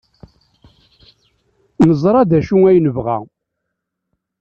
Neẓra d acu ay nebɣa.